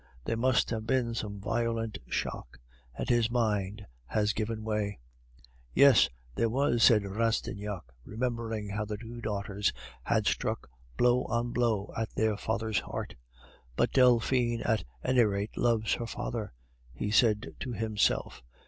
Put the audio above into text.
There must have been some violent shock, and his mind has given way." "Yes, there was," said Rastignac, remembering how the two daughters had struck blow on blow at their father's heart. "But Delphine at any rate loves her father," he said to himself.